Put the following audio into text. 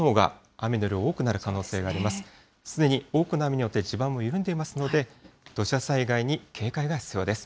すでに多くの雨によって地盤も緩んでいますので、土砂災害に警戒が必要です。